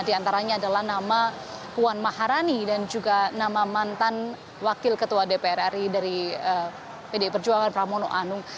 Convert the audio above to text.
di antaranya adalah nama puan maharani dan juga nama mantan wakil ketua dpr ri dari pd perjuangan pramono anung